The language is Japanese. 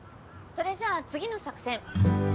それじゃあ次の作戦。